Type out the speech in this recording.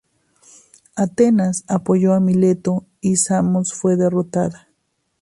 Atenas apoyó a Mileto y Samos fue derrotada.